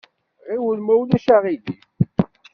Ɣiwel ma ulac aɣilif!